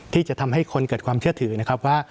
ที่จะทำให้คนเกิดความเชื่อถือนะครับว่า